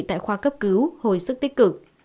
tại khoa cấp cứu hồi sức tích cực